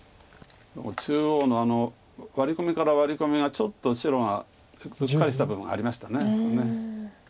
中央のあのワリコミからワリコミがちょっと白がうっかりした部分がありましたあそこ。